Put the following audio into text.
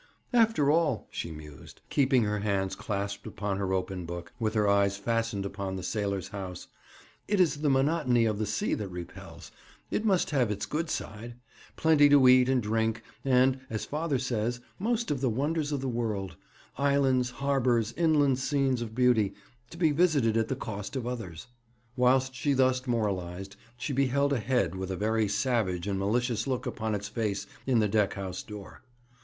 'After all,' she mused, keeping her hands clasped upon her open book, with her eyes fastened upon the sailors' house, 'it is the monotony of the sea that repels. It must have its good side. Plenty to eat and drink, and, as father says, most of the wonders of the world islands, harbours, inland scenes of beauty to be visited at the cost of others.' Whilst she thus moralized, she beheld a head with a very savage and malicious look upon its face in the deck house door.